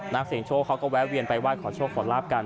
นางเสียงโชว์เขาก็แวะเวียนไปวาดขอโชคนลาภกัน